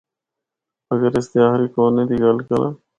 اگر اس دے آخری کونے دی گل کراں۔